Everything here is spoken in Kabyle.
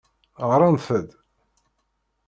Ɣrant-d.